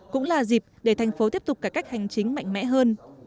cũng là dịp để thành phố tiếp tục cải cách hành chính mạnh mẽ hơn